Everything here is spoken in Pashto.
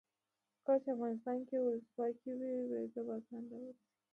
کله چې افغانستان کې ولسواکي وي ویزه په اسانۍ راسیږي.